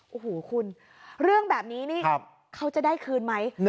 โอ้โหคุณเรื่องแบบนี้นี่เขาจะได้คืนไหม